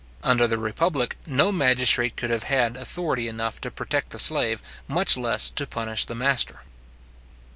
Under the republic no magistrate could have had authority enough to protect the slave, much less to punish the master.